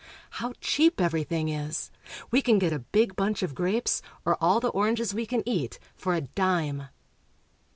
How cheap everything is! We can get a big bunch of grapes, or all the oranges we can eat, for a dime.